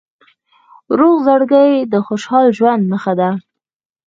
روغ زړګی د خوشحال ژوند نښه ده.